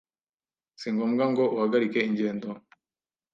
singombwa ngo uhagarike ingendo